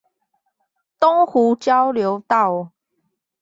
東湖交流道